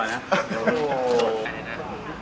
สวัสดีครับ